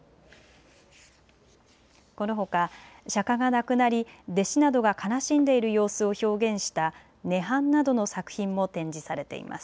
このほか釈迦が亡くなり弟子などが悲しんでいる様子を表現した涅槃などの作品も展示されています。